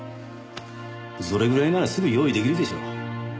それぐらいならすぐ用意出来るでしょう？